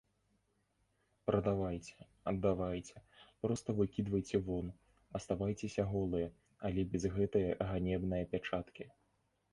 Прадавайце, аддавайце, проста выкідайце вон, аставайцеся голыя, але без гэтае ганебнае пячаткі.